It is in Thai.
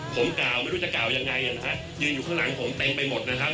ผมกล่าวไม่รู้จะกล่าวยังไงยืนอยู่ข้างหลังผมแต่งไปหมด